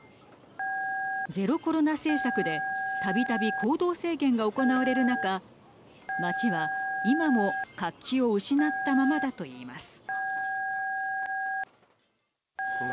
ゼロコロナ政策でたびたび行動制限が行われる中街は今も活気を失ったままだといいます。